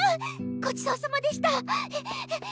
ごちそうさまでした！